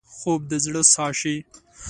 خوب د زړه ساه شي